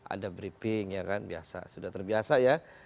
ada briefing ya kan biasa sudah terbiasa ya